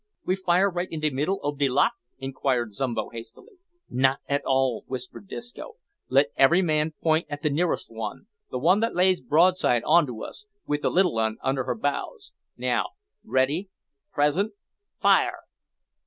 "We fire right in de middel ob de lot?" inquired Zombo hastily. "Not at all," whispered Disco; "let every man point at the nearest one the one that lays broadside on to us, wi' the little un under her bows. Now ready present fire!"